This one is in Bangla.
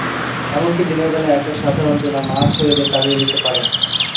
এমনিতে দিনের বেলা একটা সাধারণ টুনা মাছ ও এদের তাড়িয়ে দিতে পারে।